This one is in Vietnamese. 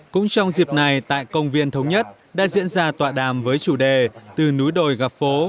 cũng trong dịp này tại công viên thống nhất đã diễn ra tọa đàm với chủ đề từ núi đồi gặp phố